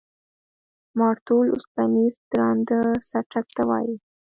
مارتول اوسپنیز درانده څټک ته وایي.